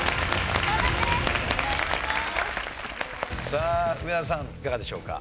さあ上田さんいかがでしょうか？